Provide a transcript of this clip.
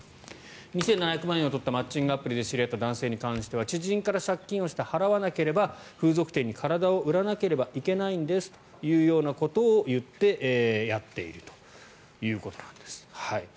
２７００万円を取ったマッチングアプリで知り合った男性に対しては知人から借金をして払わなければ風俗店に体を売らなければいけないんですというようなことを言ってやっているということです。